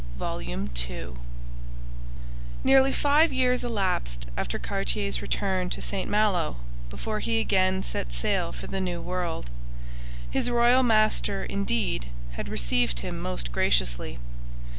CHAPTER VIII THE THIRD VOYAGE Nearly five years elapsed after Cartier's return to St Malo before he again set sail for the New World. His royal master, indeed, had received him most graciously.